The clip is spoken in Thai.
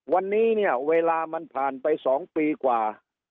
วันนี้เนี่ยเวลามันผ่านไป๒ปีกว่า